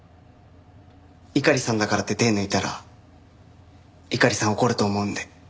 猪狩さんだからって手ぇ抜いたら猪狩さん怒ると思うんで。